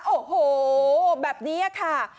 โอ้โหแบบนี้ค่ะ